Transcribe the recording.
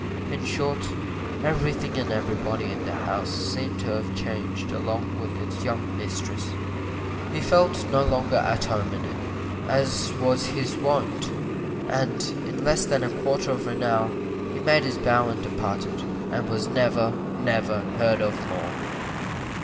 In short, everything and everybody in the house seemed to have changed along with its young mistress; he felt no longer at home in it, as was his wont; and, in less than a quarter of an hour he made his bow and departed, AND WAS NEVER NEVER HEARD OF MORE.